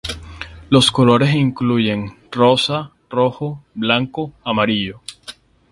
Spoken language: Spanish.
Los colores incluyen rosa, rojo, blanco, amarillo.